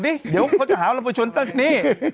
เดี๋ยวเขาจะหาเราคุยชนตรงนี้